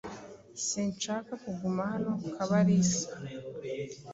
Sinshaka kuguma hano, Kabalisa.